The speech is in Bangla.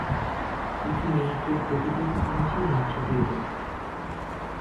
উঁচু মিনারটির প্রতিটি ইঞ্চি নকশাকৃত।